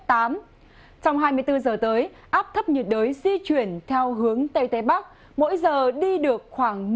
trong hai mươi bốn h tới áp thấp nhiệt đới di chuyển theo hướng tây tây bắc mỗi giờ đi được khoảng một mươi km